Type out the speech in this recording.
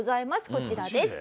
こちらです。